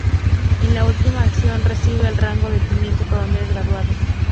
En la última acción recibe el rango de teniente coronel graduado.